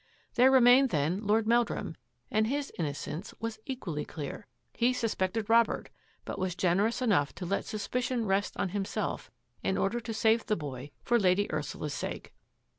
There remained then Lord Meldrum, and his innocence was equally clear. He suspected Rob ert, but was generous enough to let suspicion rest on himself in order to save the boy for Lady Ursula's sake.